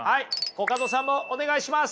コカドさんもお願いします。